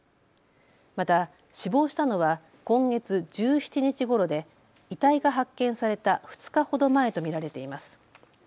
また死亡したのは今月１７日ごろで遺体が発見された２日ほど前と見られています。